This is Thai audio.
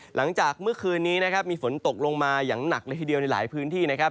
หลังจากเมื่อคืนนี้นะครับมีฝนตกลงมาอย่างหนักเลยทีเดียวในหลายพื้นที่นะครับ